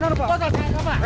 ya udah benar pak ya